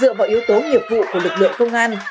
dựa vào yếu tố nghiệp vụ của lực lượng công an